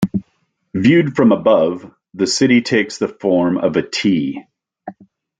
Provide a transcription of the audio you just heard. Viewed from above, the city takes the form of a "T".